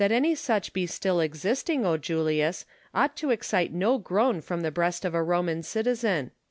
That any such be still existing, Julius, ought to excite no groan from the breast of a Roman citizen.